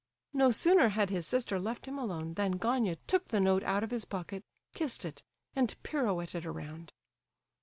No sooner had his sister left him alone, than Gania took the note out of his pocket, kissed it, and pirouetted around.